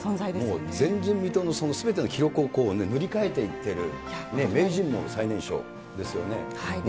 もう前人未到のすべての記録をこうね、塗り替えていっている、名人も最年少ですよね。